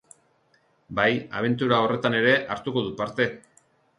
Bai, abentura horretan ere hartuko dut parte.